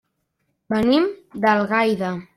Venim d'Algaida.